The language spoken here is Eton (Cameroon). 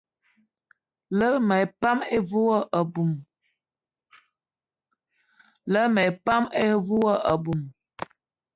Lerma epan ive wo aboum.